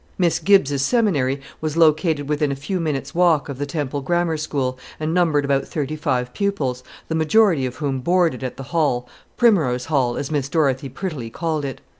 Miss Gibbs's seminary was located within a few minutes' walk of the Temple Grammar School, and numbered about thirty five pupils, the majority of whom boarded at the Hall Primrose Hall, as Miss Dorothy prettily called it.